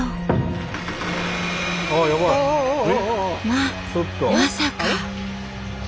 ままさか。